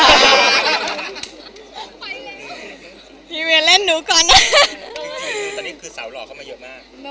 นี่เบียนเล่นหนูก่อนอ่ะ